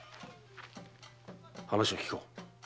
話を聞こう。